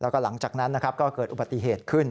แล้วก็หลังจากนั้นนะครับก็เกิดอุบัติเหตุขึ้น